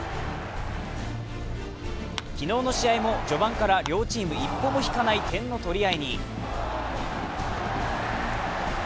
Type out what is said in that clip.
昨日の試合も序盤から両チーム一歩も引かない点の取り合いに。